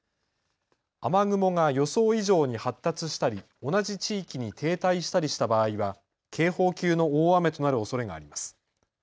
雨雲が予想以上に発達したり同じ地域に停滞したりした場合は警報級の大雨となるおそれがあります。